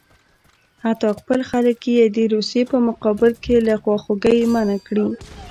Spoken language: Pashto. حتی خپل خلک یې د روسیې په مقابل کې له خواخوږۍ منع کړي.